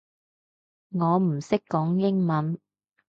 我唔識講英文